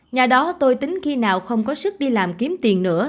nhà đó tôi tính khi nào không có sức đi làm kiếm tiền nữa